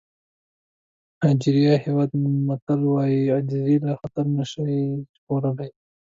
د نایجېریا هېواد متل وایي عاجزي له خطر نه شي ژغورلی.